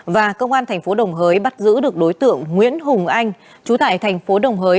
và công an tp đồng hới bắt giữ được đối tượng nguyễn hùng anh chú tải tp đồng hới